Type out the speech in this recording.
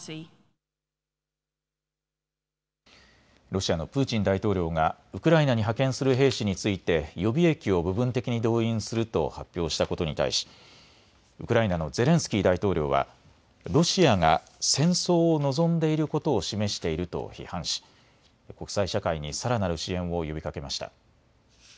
ロシアのプーチン大統領がウクライナに派遣する兵士について予備役を部分的に動員すると発表したことに対しウクライナのゼレンスキー大統領はロシアが戦争を望んでいることを示していると批判し国際社会にさらなる支援を呼びかけました。